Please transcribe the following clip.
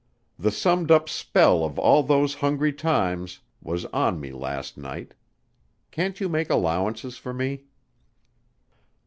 The summed up spell of all those hungry times was on me last night. Can't you make allowances for me?"